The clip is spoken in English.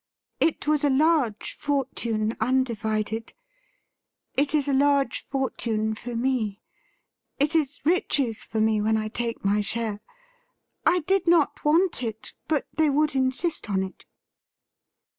It was a large fortune undivided. It is a large fortune for me. It is riches for me when I tdke my share. I did 'not want it, but they wbtild insist on it.'